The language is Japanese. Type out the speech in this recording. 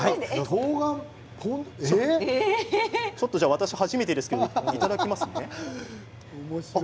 私、初めてですけどいただきますね。